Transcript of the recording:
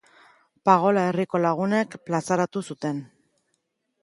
Pagola herriko lagunek plazaratu zuten.